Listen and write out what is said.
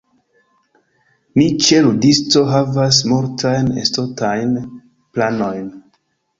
Ni ĉe Ludisto havas multajn estontajn planojn.